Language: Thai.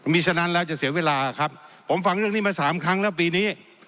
มีฉะนั้นแล้วจะเสียเวลาครับผมฟังเรื่องนี้มาสามครั้งแล้วปีนี้